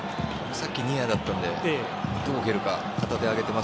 さっきニアだったのでどこ蹴るか。